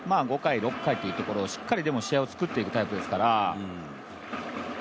５回、６回っていうところをしっかり試合をつくっていく投手ですから。